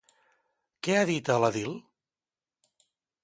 Què ha dit a l'edil?